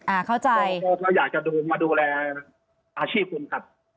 อ่าเข้าใจอยากจะมาดูแลอาชีพคุณครับ